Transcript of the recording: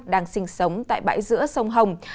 đang sinh sống tại bãi giữa sông hồng